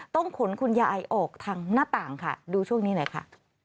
ต้องขนคุณยายออกทางหน้าต่างค่ะดูช่วงนี้หน่อยค่ะ